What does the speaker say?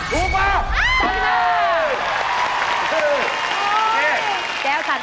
ถูกกว่า